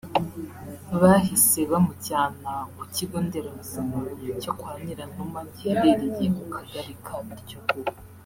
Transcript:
Bahise bamujyana ku Kigo Nderabuzima cyo kwa Nyiranuma giherereye mu Kagari ka Biryogo